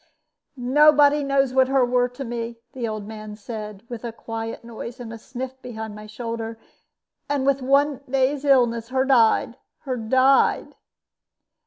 "Nobody knows what her were to me," the old man said, with a quiet little noise and a sniff behind my shoulder. "And with one day's illness her died her died."